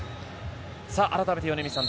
改めて米満さん